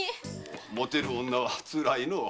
もてる女はつらいのう。